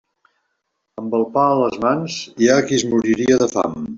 Amb el pa a les mans, hi ha qui es moriria de fam.